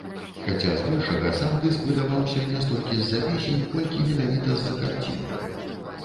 Хаця з большага сам дыск выдаваўся не столькі з-за песень, колькі менавіта з-за карціны.